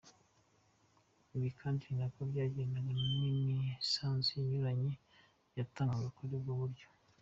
Ibi kandi ninako byajyanaga n’imisanzu inyuranye yatangwaga kuri ubwo buryo.